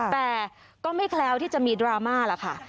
แต่ก็ไม่แคล้วที่จะมีดราม่าล่ะค่ะ